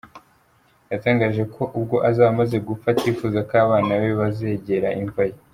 Yatangaje ko ubwo azaba amaze gupfa atifuza ko abana be bazegera imva ye.